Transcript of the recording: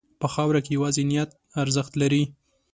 په خاوره کې یوازې نیت ارزښت لري.